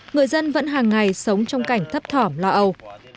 người dân vẫn hàng ngày sống trong cảnh thấp thỏm lo âu